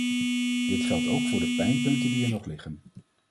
Dat geldt ook voor de pijnpunten die er nog liggen.